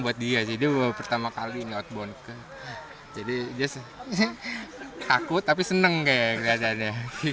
buat dia sih dia pertama kali nge outbon jadi dia takut tapi seneng kayak ada ada